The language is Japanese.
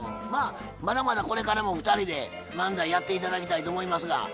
まだまだこれからも２人で漫才やって頂きたいと思いますが。